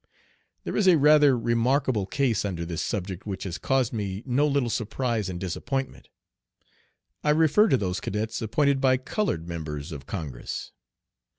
There is a rather remarkable case under this subject which has caused me no little surprise and disappointment. I refer to those cadets appointed by colored members of Congress.